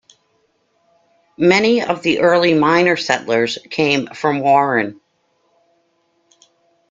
Many of the early miner-settlers came from Warren.